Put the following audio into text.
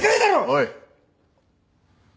おい。